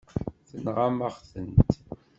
Tenɣam-aɣ-tent.